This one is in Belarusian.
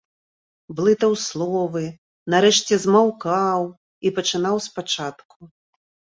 Блытаў словы, нарэшце змаўкаў і пачынаў спачатку.